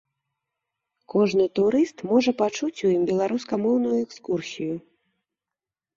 Кожны турыст можа пачуць у ім беларускамоўную экскурсію.